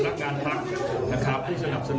พนักงานพรรคนะครับที่จะนำสนุนสบายชีวิตของเราทั้งหมด